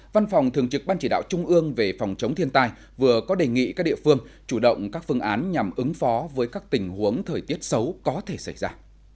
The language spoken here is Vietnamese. văn phòng thường trực ban chỉ đạo trung ương về phòng chống thiên tai vừa có đề nghị các địa phương chủ động các phương án nhằm ứng phó với các tình huống thời tiết xấu có thể xảy ra